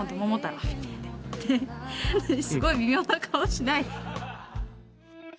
すごい微妙な顔しないで。